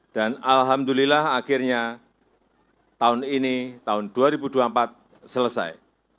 dan alhamdulillah akhirnya tahun ini tahun dua ribu dua puluh empat selesai